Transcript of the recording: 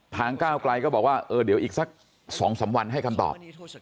ก้าวไกลก็บอกว่าเออเดี๋ยวอีกสัก๒๓วันให้คำตอบ